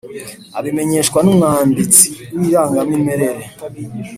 abimenyeshwa n umwanditsi w irangamimerere